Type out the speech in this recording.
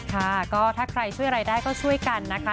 ค่ะก็ถ้าใครช่วยอะไรได้ก็ช่วยกันนะคะ